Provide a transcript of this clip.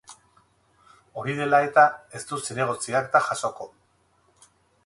Hori dela eta, ez du zinegotzi akta jasoko.